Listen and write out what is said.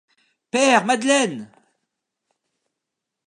Père Madeleine!